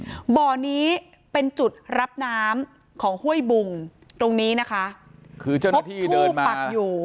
บ่อนี้เป็นจุดรับน้ำของห้วยบุงตรงนี้นะคะคือเจ้าหน้าที่เดินมาปักอยู่